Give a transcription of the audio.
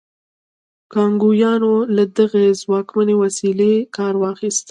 کانګویانو له دغې ځواکمنې وسیلې کار واخیست.